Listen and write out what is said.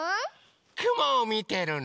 くもをみてるの。